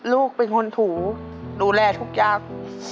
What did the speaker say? ลูกเป็นคนถูดูแลทุกอย่าง